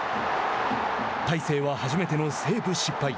大勢は初めてのセーブ失敗。